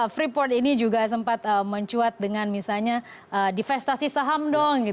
freeport ini juga sempat mencuat dengan misalnya divestasi saham dong